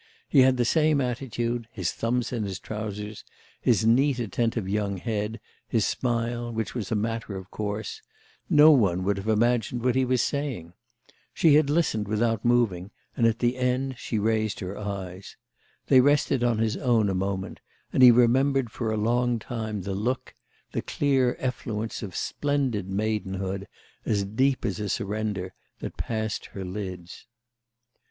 He had the same attitude, his thumbs in his trousers, his neat attentive young head, his smile, which was a matter of course; no one would have imagined what he was saying. She had listened without moving and at the end she raised her eyes. They rested on his own a moment, and he remembered for a long time the look, the clear effluence of splendid maidenhood, as deep as a surrender, that passed her lids.